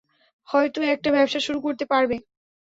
হয়তো একটা ব্যবসা শুরু করতে পারবে।